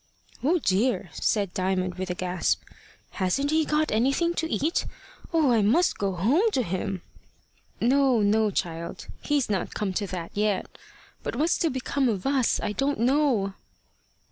"Oh dear!" said Diamond with a gasp; "hasn't he got anything to eat? Oh! I must go home to him." "No, no, child. He's not come to that yet. But what's to become of us, I don't know."